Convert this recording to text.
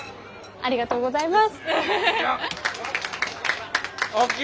ありがとうございます。